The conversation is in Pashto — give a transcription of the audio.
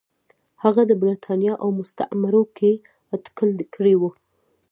هغه د برېټانیا او مستعمرو کې اټکل کړی و.